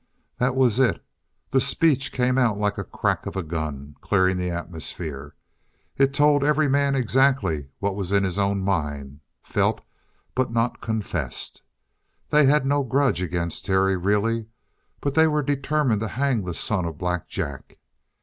That was it. The speech came out like the crack of a gun, clearing the atmosphere. It told every man exactly what was in his own mind, felt but not confessed. They had no grudge against Terry, really. But they were determined to hang the son of Black Jack.